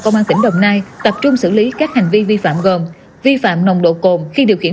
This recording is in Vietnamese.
công an tỉnh đồng nai tập trung xử lý các hành vi vi phạm gồm vi phạm nồng độ cồn khi điều khiển